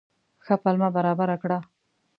ښه پلمه برابره کړه.